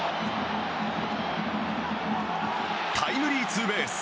タイムリーツーベース。